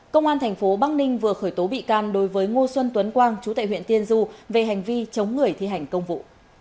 công an tp bắc ninh vừa khởi tố bị can đối với ngô xuân tuấn quang chú tại huyện tiên du về hành vi chống người thi hành công vụ